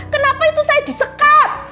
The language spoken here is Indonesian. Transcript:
kenapa itu saya disekat